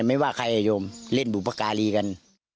ฮไข่โยมเล่นบุภาคารีกัน